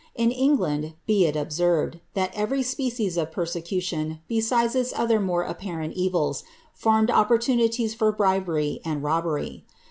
In England, be it observed, that every species of persecution, besides its other more apparent evils, formed opportunities for bribery and robbery.